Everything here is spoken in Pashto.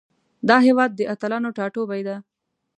دا هیواد د اتلانو ټاټوبی ده.